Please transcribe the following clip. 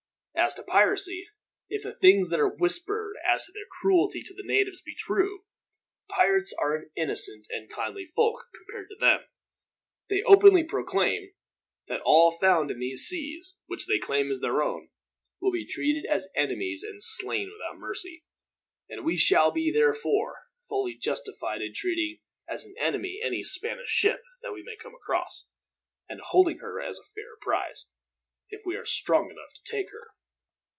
"As to piracy, if the things that are whispered as to their cruelty to the natives be true, pirates are an innocent and kindly folk compared to them. They openly proclaim that all found in these seas, which they claim as their own, will be treated as enemies and slain without mercy; and we shall be, therefore, fully justified in treating as an enemy any Spanish ship that we may come across; and holding her as a fair prize, if we are strong enough to take her."